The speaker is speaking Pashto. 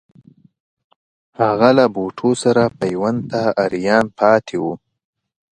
هغه له بوټو سره پیوند ته آریان پاتې وو.